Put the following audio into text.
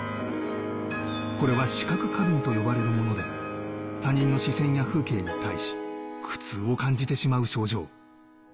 これは視覚過敏と呼ばれるもので、他人の視線や風景に対し、苦痛を感じてしまう症状。